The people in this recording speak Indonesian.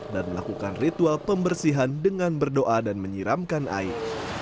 dan melakukan ritual pembersihan dengan berdoa dan menyiramkan air